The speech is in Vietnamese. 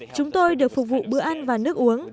chúng tôi được phục vụ bữa ăn và nước uống